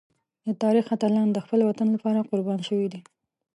د تاریخ اتلان د خپل وطن لپاره قربان شوي دي.